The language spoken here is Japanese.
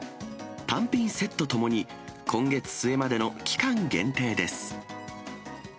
単品、セットともに、今月末までの期間限定です。